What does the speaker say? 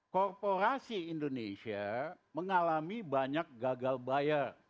korporasi indonesia mengalami banyak gagal bayar